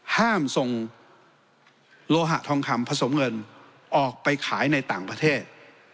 ห้ามส่งโลหะทองคำผสมเงินออกไปขายในต่างประเทศ